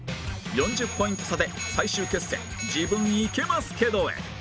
４０ポイント差で最終決戦自分イケますけどへ